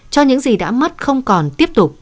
cho những gì đã mất không còn tiếp tục